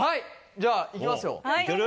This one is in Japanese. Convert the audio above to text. じゃあ行きますよ。